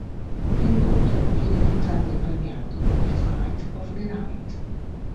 L'incontro viene più tardi premiato come "Fight of the Night".